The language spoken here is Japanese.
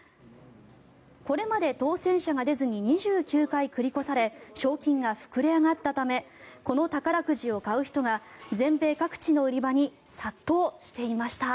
これまで当選者が出ずに２９回繰り越され賞金が膨れ上がったためこの宝くじを買う人が全米各地の売り場に殺到していました。